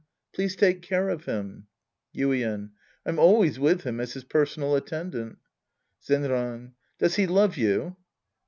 Please take care of him. Yiden. I'm always with liim as his personal at tendant. Zenran. Does he love you